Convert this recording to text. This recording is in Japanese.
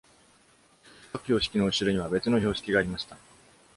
しかし、各標識の後ろには別の標識がありました。